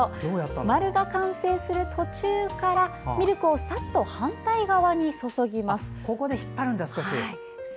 丸が完成する途中からミルクをさっと反対側に注ぎます。